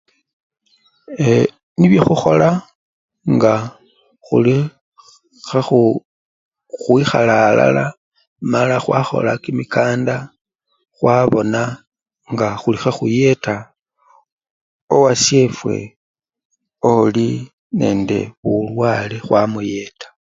Eee nibyo khukhola nga khuli khekhu khwikhala alala mala khwakhola kimikanda khwabona nga khuli khekhuyeta owashefwe olinende bulwale khwamuyeta.